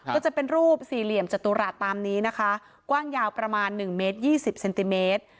ก็จะเป็นรูปสี่เหลี่ยมจตุรัสตามนี้นะคะกว้างยาวประมาณ๑เมตร๒๐เซนติเมตร